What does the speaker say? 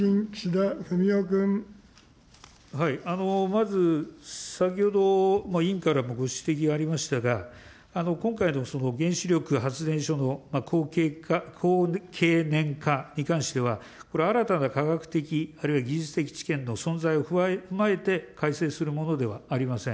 まず、先ほど、委員からもご指摘がありましたが、今回の原子力発電所の高経年化に関しては、これ、新たな科学的、あるいは技術的知見の存在を踏まえて改正するものではありません。